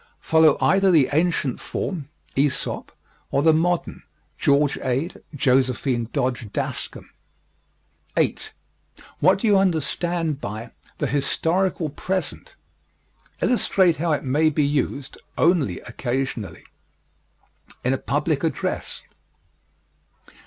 Follow either the ancient form (Æsop) or the modern (George Ade, Josephine Dodge Daskam). 8. What do you understand by "the historical present?" Illustrate how it may be used (ONLY occasionally) in a public address.